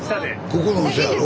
ここのお茶やろ？